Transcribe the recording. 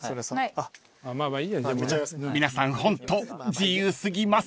［皆さんホント自由過ぎます］